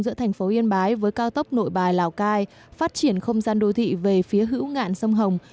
giữa thành phố yên bái với cao tốc nội bài lào cai phát triển không gian đô thị về phía hữu ngạn sông hồng